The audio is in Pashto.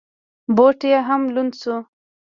بوټ یې هم لوند شو.